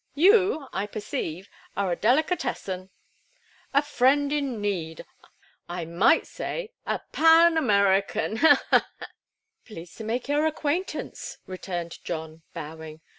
You, I perceive, are a delicatessen; a friend in knead; I might say, a Pan American. Ha, ha!" "Pleased to make your acquaintance," returned John, bowing.